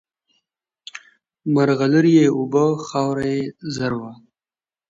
مرغلري یې اوبه خاوره یې زر وه